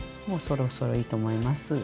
もうそろそろいいと思います。